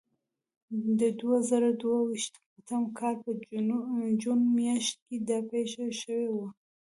د دوه زره دوه ویشتم کال په جون میاشت کې دا پېښه شوې وه.